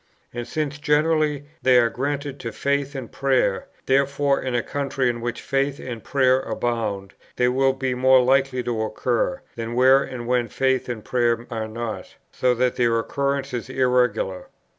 And since, generally, they are granted to faith and prayer, therefore in a country in which faith and prayer abound, they will be more likely to occur, than where and when faith and prayer are not; so that their occurrence is irregular.